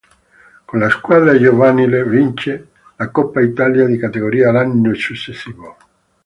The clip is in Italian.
Con la squadra giovanile, vince la Coppa Italia di categoria l'anno successivo.